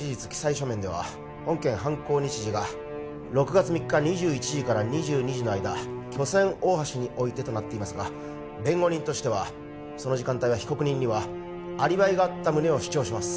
書面では本件犯行日時が６月３日２１時から２２時の間巨千大橋においてとなっていますが弁護人としてはその時間帯は被告人にはアリバイがあった旨を主張します